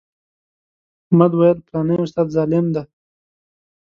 احمد ویل فلانی استاد ظالم دی.